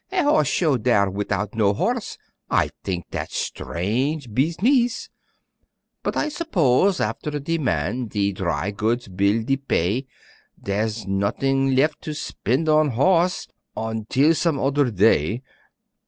A Horse Show dere vidout no horse, I t'ink dat's strange beez_nesse_. But I suppose affer de man De dry goods bill dey pay, Dere's nodding lef' to spen' on horse Ontil som' odder day.